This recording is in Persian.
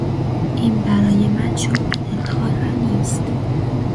این برای من شغل دلخواهی نیست.